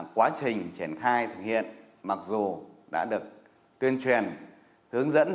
quá trình triển khai thực hiện mặc dù đã được tuyên truyền hướng dẫn